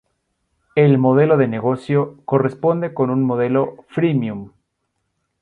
El modelo de negocio corresponde con un modelo Freemium.